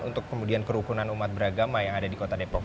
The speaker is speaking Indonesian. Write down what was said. untuk kemudian kerukunan umat beragama yang ada di kota depok